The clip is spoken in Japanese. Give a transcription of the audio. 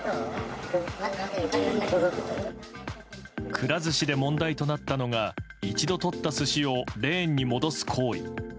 くら寿司で問題となったのが一度とった寿司をレーンに戻す行為。